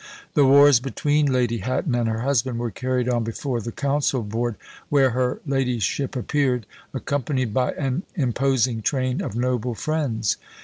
The wars between Lady Hatton and her husband were carried on before the council board, where her ladyship appeared, accompanied by an imposing train of noble friends.